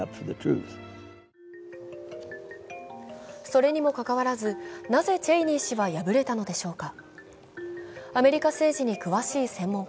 それにもかかわらず、なぜチェイニー氏は敗れたのでしょうか。